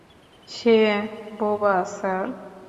সে বোবা, স্যার।